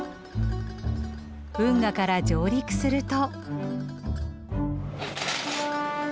運河から上陸すると。